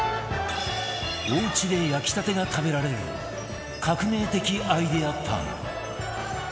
おうちで焼きたてが食べられる革命的アイデアパン